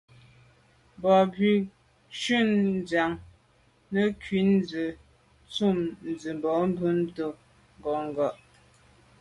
Mbā wʉ́lǒ cwɛ̌d ndíɑ̀g nə̀ ghʉ zə̀ dʉ̀' ntʉ̂m diba mbumtə ngɔ̌ngɔ̀.